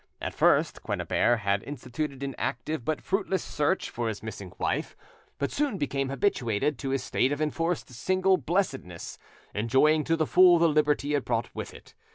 At first Quennebert had instituted an active but fruitless search for his missing wife, but soon became habituated to his state of enforced single blessedness, enjoying to the full the liberty it brought with it.